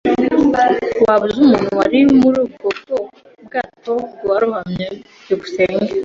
Waba uzi umuntu wari muri ubwo bwato bwarohamye? byukusenge